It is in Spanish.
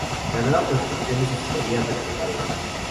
La nueva constitución necesitaría reflejar eso.